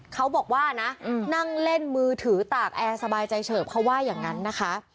เขาบอกว่านะนั่งเล่นมือถือตากแอร์สบายใจเฉิบเขาว่าอย่างนั้นนะคะ